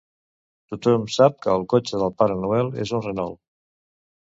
Tothom sap que el cotxe del Pare Noel és un Renault.